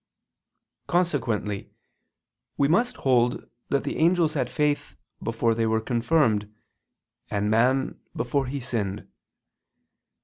Consequently we must hold that the angels had faith before they were confirmed, and man, before he sinned.